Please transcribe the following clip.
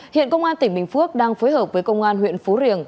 hiện công an tỉnh bình phước đang phối hợp với công an huyện phú riềng